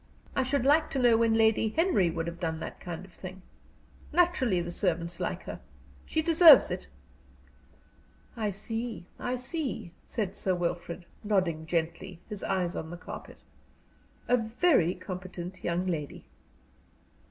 I should like to know when Lady Henry would have done that kind of thing! Naturally the servants like her she deserves it." "I see I see," said Sir Wilfrid, nodding gently, his eyes on the carpet. "A very competent young lady."